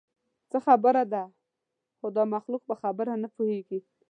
څه خبره ده؟ خو دا مخلوق په خبره نه پوهېږي.